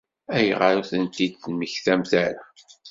Ayɣer ur tent-id-temmektamt ara?